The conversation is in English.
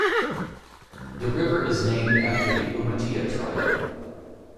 The river is named after the Umatilla Tribe.